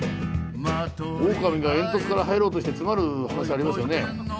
オオカミが煙突から入ろうとして詰まる話ありますよね。